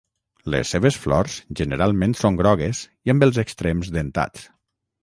Les seves flors generalment són grogues i amb els extrems dentats.